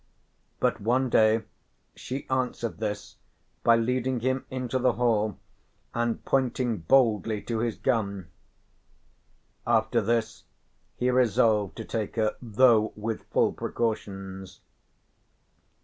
But one day she answered this by leading him into the hall and pointing boldly to his gun. After this he resolved to take her, though with full precautions.